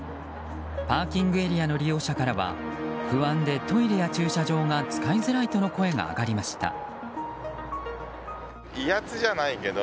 パーキングエリアの利用者からは不安でトイレや駐車場が使いづらいとの声が上がりました。